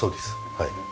はい。